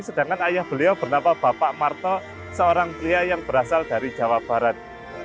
sedangkan ayah beliau bernama bapak marto seorang pria yang berasal dari jawa barat